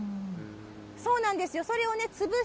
そうなんですよ。